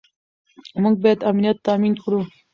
موږ باید امنیت تامین کړو.